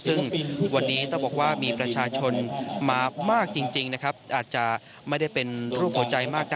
ซึ่งวันนี้มีประชาชนมามากอาจจะไม่ได้เป็นรูปหัวใจมาก